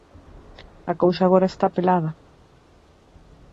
A cousa agora está pelada.